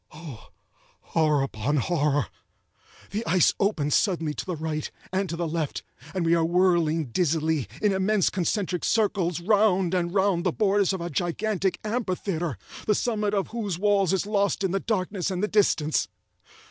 Oh, horror upon horror!—the ice opens suddenly to the right, and to the left, and we are whirling dizzily, in immense concentric circles, round and round the borders of a gigantic amphitheatre, the summit of whose walls is lost in the darkness and the distance.